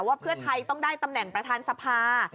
ว่าเพื่อไทยต้องได้ตำแหน่งประธานสภา